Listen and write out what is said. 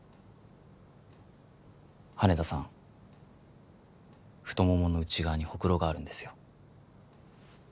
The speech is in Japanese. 羽田さん太ももの内側にホクロがあるんですよ